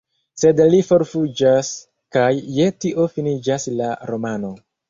Sed li forfuĝas, kaj je tio finiĝas la romano.